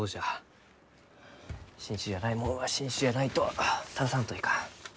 新種じゃないもんは新種じゃないと正さんといかん。